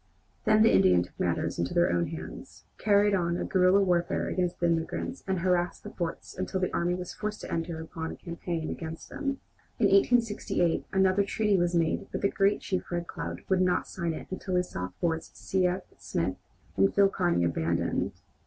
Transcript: Then the Indians took matters into their own hands, carried on a guerilla warfare against immigrants, and harassed the forts until the army was forced to enter upon a campaign against them. In 1868 another treaty was made, but the great chief, Red Cloud, would not sign it until he saw forts C. F. Smith and Phil Kearney abandoned.